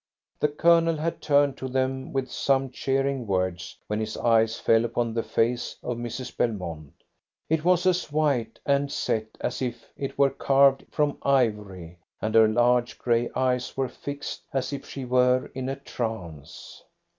The Colonel had turned to them with some cheering words when his eyes fell upon the face of Mrs. Belmont. It was as white and set as if it were carved from ivory, and her large grey eyes were fixed as if she were in a trance.